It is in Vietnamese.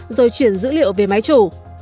rồi chuyển dữ liệu về máy chủ